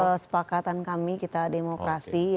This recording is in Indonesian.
kesepakatan kami kita demokrasi